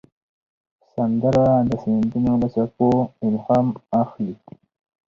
سندره د سیندونو له څپو الهام اخلي